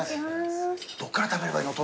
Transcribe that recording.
どっから食べればいいの？